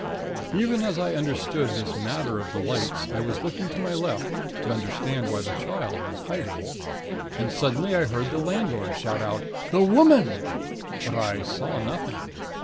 "Even as I understood this matter of the lights, I was looking to my left, to understand why the Child was hiding. And suddenly, I heard the landlord shout out: 'The Woman!' But I saw nothing.